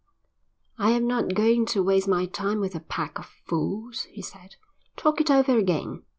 "I am not going to waste my time with a pack of fools," he said. "Talk it over again.